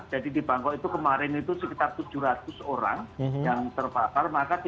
jadi di bangkok itu kemarin itu sekitar tujuh ratus orang yang terbatas